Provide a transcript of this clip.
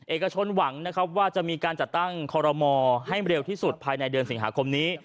เอกชนหวังนะครับว่าจะมีการจัดตั้งคอรมอให้เร็วที่สุดภายในเดือนสิงหาคมนี้